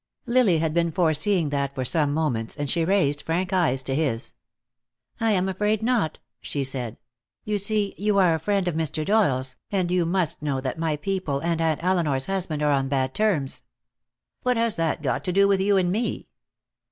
Lily had been foreseeing that for some moments, and she raised frank eyes to his. "I am afraid not," she said. "You see, you are a friend of Mr. Doyle's, and you must know that my people and Aunt Elinor's husband are on bad terms." "What has that got to do with you and me?"